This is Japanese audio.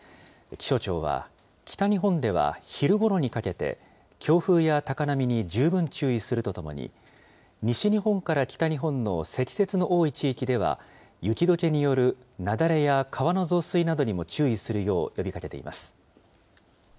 気象庁は、北日本では昼ごろにかけて、強風や高波に十分注意するとともに、西日本から北日本の積雪の多い地域では、雪どけによる雪崩や川の増水などにも注意するよう呼びかけています。